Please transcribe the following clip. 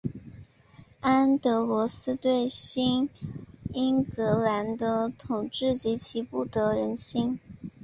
安德罗斯对新英格兰的统治极其不得人心。